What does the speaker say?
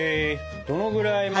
どのぐらいまで？